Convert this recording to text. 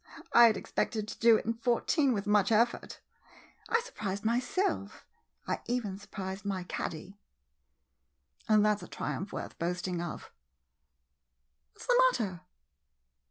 I had ex pected to do it in fourteen with much effort ! I surprised myself — I even surprised my caddy — and that 's a triumph worth boast ing of ! What 's the matter